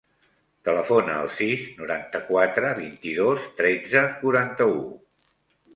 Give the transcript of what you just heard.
Telefona al sis, noranta-quatre, vint-i-dos, tretze, quaranta-u.